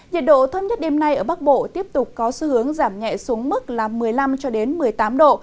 nhiệt độ thấp nhất đêm nay ở bắc bộ tiếp tục có xu hướng giảm nhẹ xuống mức là một mươi năm một mươi tám độ